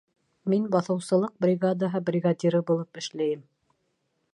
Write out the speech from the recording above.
Мин баҫыусылыҡ бригадаһы бригадиры булып эшләйем.